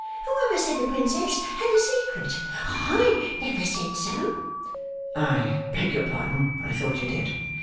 Whoever said the Princess had a secret? I never said so.' 'I beg your pardon. I thought you did.